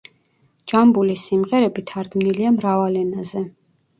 ჯამბულის სიმღერები თარგმნილია მრავალ ენაზე.